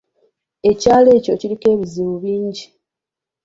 Ekyalo ekyo kiriko ebizibu bingi.